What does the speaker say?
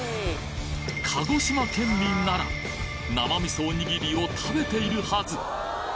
鹿児島県民なら生味噌おにぎりを食べているはず！